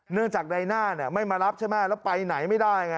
เนื่องจากใดหน้าไม่มารับใช่ไหมแล้วไปไหนไม่ได้ไง